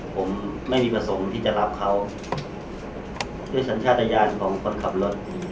ผมไม่มีประสงค์ที่จะรับเขาด้วยสัญชาติยานของคนขับรถ